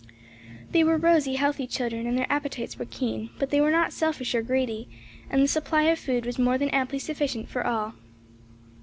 They were rosy, healthy children and their appetites were keen; but they were not selfish or greedy, and the supply of food was more than amply sufficient for all.